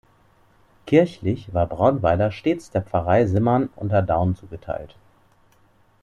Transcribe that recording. Kirchlich war Brauweiler stets der Pfarrei Simmern unter Dhaun zugeteilt.